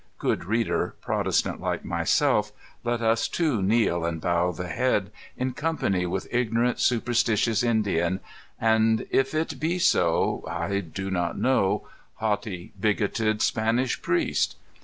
(Good reader, Protestant like myself, let us, too, kneel and bow the head, in company with ignorant, superstitious Indian, and — if it be so, I do not know — haughty, bigoted Spanish priest.